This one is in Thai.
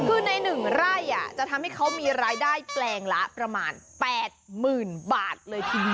คือในหนึ่งไร่จะทำให้เขามีรายได้แปลงละประมาณ๘หมื่นบาทเลยที